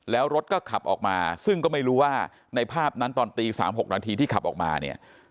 แล้วรถก็ขับออกมาซึ่งก็ไม่รู้ว่าในภาพนั้นตอนตี๓๖นาทีที่ขับออกมาเนี่ย